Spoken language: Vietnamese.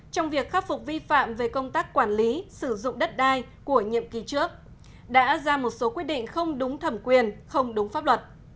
trong việc khắc phục vi phạm về công tác quản lý sử dụng đất đai của nhiệm kỳ trước đã ra một số quyết định không đúng thẩm quyền không đúng pháp luật